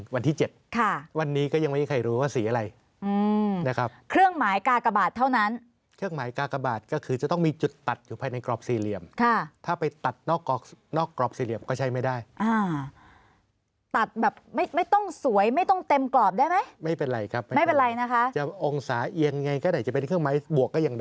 วันที่๗ค่ะวันนี้ก็ยังไม่มีใครรู้ว่าสีอะไรนะครับเครื่องหมายกากบาทเท่านั้นเครื่องหมายกากบาทก็คือจะต้องมีจุดตัดอยู่ภายในกรอบสี่เหลี่ยมถ้าไปตัดนอกกรอบสี่เหลี่ยมก็ใช้ไม่ได้ตัดแบบไม่ไม่ต้องสวยไม่ต้องเต็มกรอบได้ไหมไม่เป็นไรครับไม่เป็นไรนะคะจะองศาเอียงไงก็ได้จะเป็นเครื่องไม้บวกก็ยังด